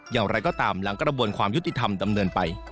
อย่างไรก็ตามหลังกระบวนความยุติธรรมดำเนินไป